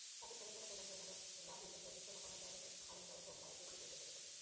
পাকিস্তানের সেনাপ্রধান জেনারেল রাহিল শরিফ সেনা কমান্ডারদের আগামীকাল সোমবার জরুরি বৈঠকে ডেকেছেন।